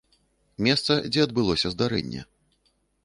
Месца, дзе адбылося здарэнне.